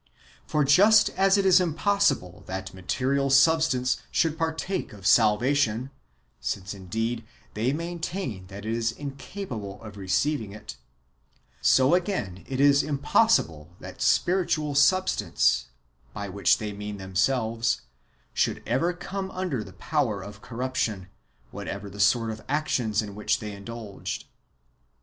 ^ For, just as it is impossible that material substance should partake of salvation (since, indeed, they maintain that it is incapable of receiving it), so again it is impossible that spiritual substance (by which they mean themselves) should ever come under the power of corruption, whatever the sort of actions in which they indulged.